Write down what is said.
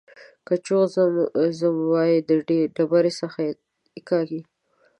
که چوخ ځم وايي د ډبرۍ څخه يې کاږي.